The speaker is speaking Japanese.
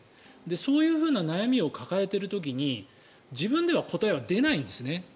そういう悩みを抱えている時に自分では答えは出ないんですね。